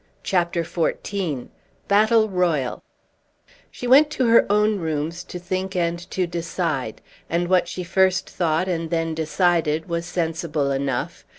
CHAPTER XIV BATTLE ROYAL She went to her own rooms to think and to decide; and what she first thought and then decided was sensible enough.